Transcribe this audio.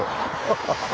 ハハハッ。